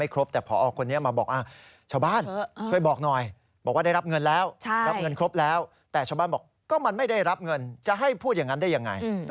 ก็มันไม่ได้รับเงินจะให้พูดอย่างนั้นได้อย่างไร